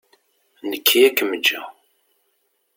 Nekki ad akem-ǧǧeɣ.